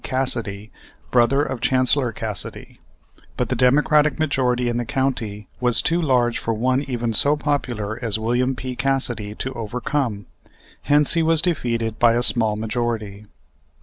Cassidy, brother of Chancellor Cassidy; but the Democratic majority in the county was too large for one even so popular as Wm. P. Cassidy to overcome; hence he was defeated by a small majority.